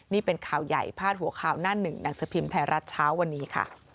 นี่เป็นข่าวใหญ่พาดหัวข่าวหน้าหนึ่งหนังสือพิมพ์ไทยรัฐเช้าวันนี้ค่ะ